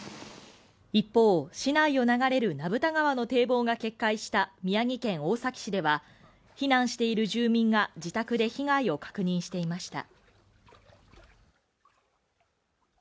一方、市内を流れる名蓋川の堤防が決壊した宮城県大崎市では、避難している住民が自宅で被害を確認していました。